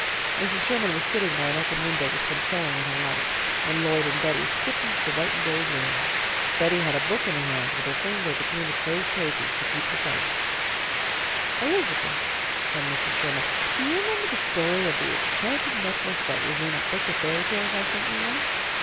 Mrs. Sherman was sitting by an open window with some sewing in her lap, when Lloyd and Betty skipped into the white and gold room. Betty had a book in her hand with her finger between the closed pages, to keep the place. [Illustration: "BETTY BEGAN THE STORY."] "Elizabeth," said Mrs. Sherman, "do you remember the story of the enchanted necklace that was in a book of fairy tales I sent you once?"